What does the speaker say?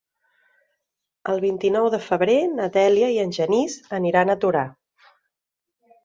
El vint-i-nou de febrer na Dèlia i en Genís aniran a Torà.